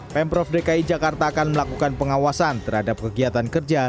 pemprov dki jakarta akan melakukan pengawasan terhadap kegiatan kerja